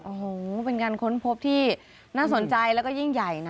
โอ้โหเป็นการค้นพบที่น่าสนใจแล้วก็ยิ่งใหญ่นะ